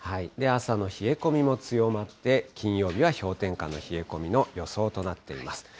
朝の冷え込みも強まって、金曜日は氷点下の冷え込みの予想となっています。